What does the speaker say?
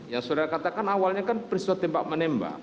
ya saudara katakan awalnya kan peristiwa tembak menembak